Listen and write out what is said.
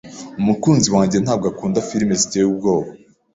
Umukunzi wanjye ntabwo akunda firime ziteye ubwoba.